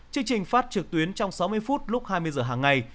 chương trình phát trực tuyến trong sáu mươi phút lúc hai mươi h hàng ngày